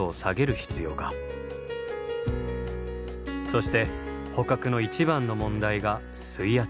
そして捕獲の一番の問題が水圧。